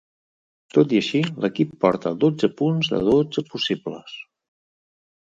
Tot i així, l'equip porta dotze punts de dotze possibles.